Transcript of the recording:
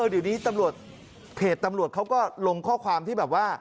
เดี๋ยวนี้ตำรวจเพจตำรวจเขาก็ลงข้อความที่แบบว่า